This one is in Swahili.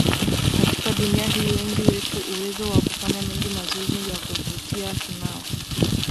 Katika dunia hii wengi wetu uwezo wa kufanya mengi mazuri ya kuvutia tunao